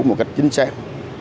một cách chính xác